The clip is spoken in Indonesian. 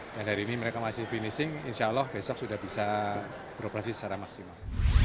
dan hari ini mereka masih finishing insya allah besok sudah bisa beroperasi secara maksimal